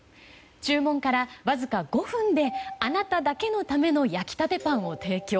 注文から、わずか５分であなただけのための焼き立てパンを提供。